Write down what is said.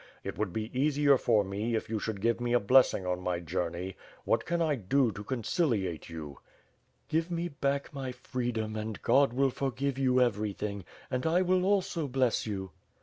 It would be easier for me if you should give me a blessing on my journey. What can I do to conciliate you?" "Give me back my freedom, and OoA will forgive yon everything, and I will also bless yon." WITH FIRE AND SWORD.